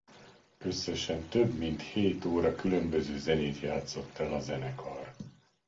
Összesen több mint hét óra különböző zenét játszott el a zenekar.